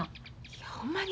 いやほんまに？